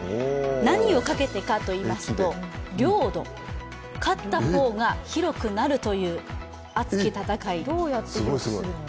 何をかけてかといいますと領土、勝った方が広くなるというどうやってするの？